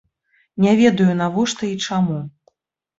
Не ведаю, навошта і чаму.